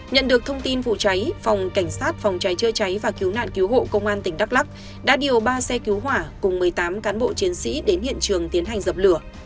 nhận được thông tin vụ cháy phòng cảnh sát phòng cháy chữa cháy và cứu nạn cứu hộ công an tỉnh đắk lắc đã điều ba xe cứu hỏa cùng một mươi tám cán bộ chiến sĩ đến hiện trường tiến hành dập lửa